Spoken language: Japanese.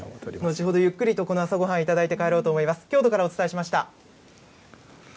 後ほどゆっくりと、この朝ごはん頂いて帰ろうと思います。